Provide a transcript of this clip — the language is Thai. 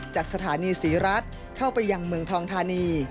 จากสถานีศรีรัฐเข้าไปยังเมืองทองธานี